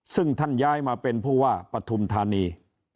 ซึ่งท่านย้ายมาเป็นผู้ว่าปฐุมธานี